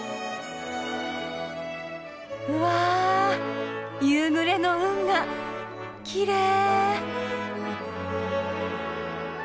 うわ夕暮れの運河きれい。